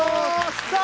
さあ